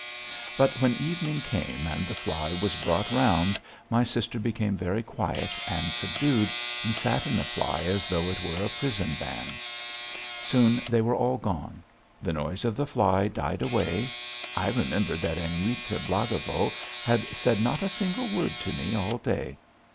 But when evening came and the fly was brought round, my sister became very quiet and subdued, and sat in the fly as though it were a prison van. Soon they were all gone. The noise of the fly died away.... I remembered that Aniuta Blagovo had said not a single word to me all day.